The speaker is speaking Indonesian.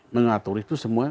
mengatur itu semua